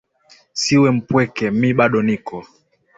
Siwe mpweke mi bado niko.